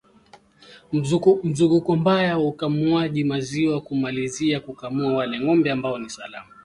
Mzunguko mbaya wa ukamuaji maziwa kumalizia kukamua wale ngombe ambao ni salama